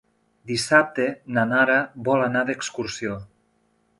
Dissabte na Nara vol anar d'excursió.